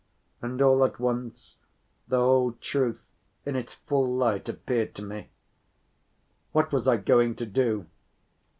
And all at once the whole truth in its full light appeared to me; what was I going to do?